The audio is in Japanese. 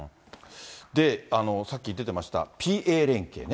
さっき出てました、ＰＡ連携ね。